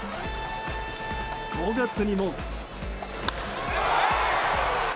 ５月にも。